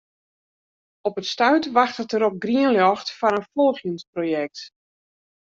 Op it stuit wachtet er op grien ljocht foar in folgjend projekt.